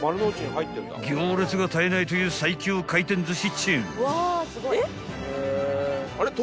［行列が絶えないという最強回転寿司チェーン］